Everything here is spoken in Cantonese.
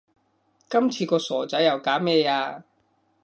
今次個傻仔又搞咩呀